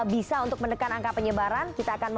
bisa untuk menekan angka penyebaran